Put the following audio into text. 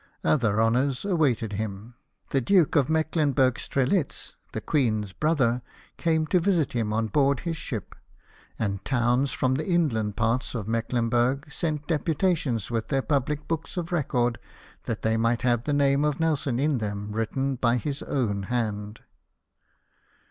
Other honours awaited him. The Duke of Mecklenburg Strelitz, the Queen's brother, came to visit him on board his ship ; and towns from the inland parts of Mecklenburg sent deputations with their public books of record, that they might have the name of Nelson in them written by his own hand.